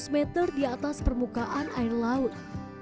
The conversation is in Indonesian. empat ratus meter di atas permukaan air laut